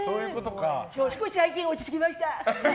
少し最近落ち着きました。